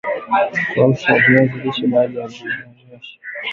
Kausha viazi lishe baada ya kuviosha